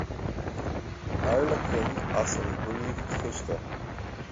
Airleacain as an bPríomh-Chiste.